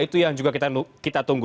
itu yang juga kita tunggu